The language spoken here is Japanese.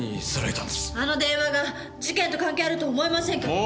あの電話が事件と関係あるとは思えませんけど。